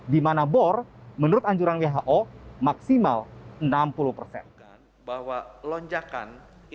di mana bor menurut anjuran who maksimal enam puluh persen